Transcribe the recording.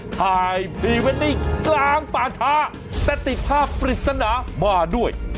ถ่ายพรีเวนนี่กลางป่าชาแต่ติดภาพปริศนามาด้วย